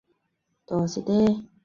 圣卡斯坦人口变化图示